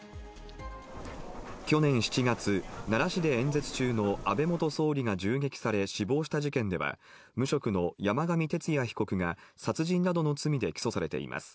去年７月、奈良市で演説中の安倍元総理が銃撃され、死亡した事件では、無職の山上徹也被告が殺人などの罪で起訴されています。